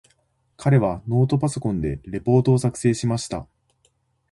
彼はノートパソコンでレポートを作成しました。